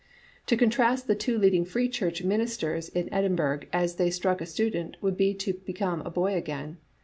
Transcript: " To contrast the two leading Free Church ministers in Edinburgh as they struck a student would be to be come a boy again.